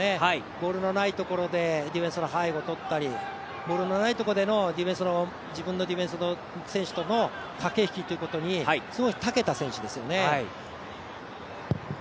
ボールのないところでディフェンスの背後をとったりボールのないところでの自分のディフェンスの選手との駆け引きにすごくたけた選手ですよね。